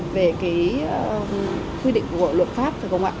về cái quy định của luật pháp phải không ạ